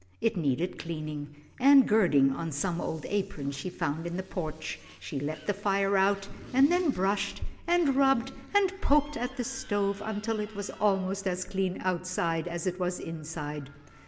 It needed cleaning, and girding on some old aprons she found in the porch, she let the fire go out, and then brushed, and rubbed, and poked at the stove until it was almost as clean outside as it was inside.